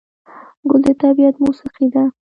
ګل د طبیعت موسیقي ده.